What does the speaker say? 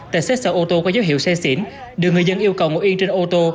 tại xét sở ô tô có dấu hiệu xe xỉn đường người dân yêu cầu ngồi yên trên ô tô